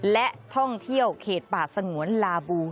และท่องเที่ยวเขตป่าสงวนลาบู